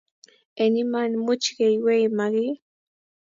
eng Iman, muuch keyweei, magiy ?